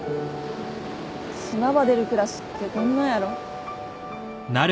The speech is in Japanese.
島ば出る暮らしってどんなんやろ。